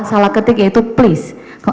salah ketik yaitu please